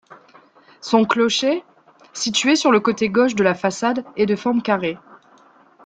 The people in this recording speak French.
Son clocher, situé sur le côté gauche de la façade, est de forme carrée.